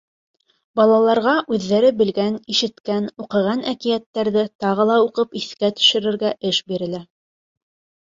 Балаларға үҙҙәре белгән, ишеткән, уҡыған әкиәттәрҙе тағы ла уҡып иҫкә төшөрөргә эш бирелә.